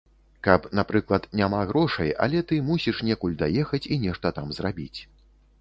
Каб, напрыклад, няма грошай, але ты мусіш некуль даехаць і нешта там зрабіць.